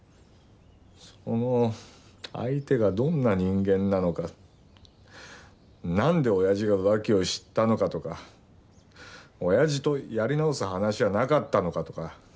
その相手がどんな人間なのかなんでおやじが浮気を知ったのかとかおやじとやり直す話はなかったのかとか。